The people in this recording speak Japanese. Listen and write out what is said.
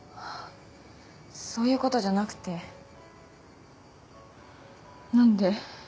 そういうことじゃなくてなんで？